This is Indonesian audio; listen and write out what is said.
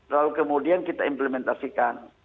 lalu kemudian kita implementasikan